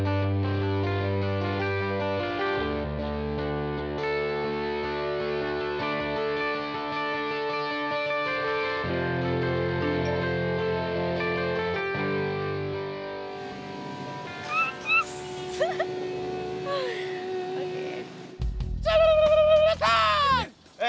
ini doang hah